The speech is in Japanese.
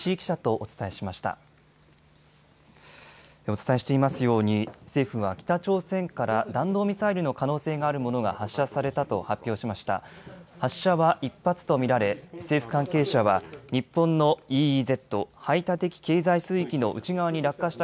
お伝えしていますように政府は北朝鮮から弾道ミサイルの可能性があるものが発射されたと発表しました。